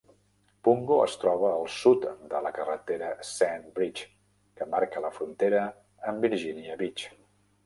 Pungo es troba al sud de la carretera Sandbridge, que marca la frontera amb Virginia Beach.